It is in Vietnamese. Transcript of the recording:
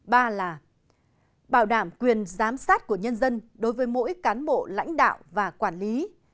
ba là bảo đảm quyền giám sát của nhân dân đối với mỗi cán bộ lãnh đạo và quản lý